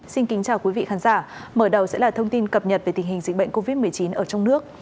xin kính chào quý vị khán giả mở đầu sẽ là thông tin cập nhật về tình hình dịch bệnh covid một mươi chín ở trong nước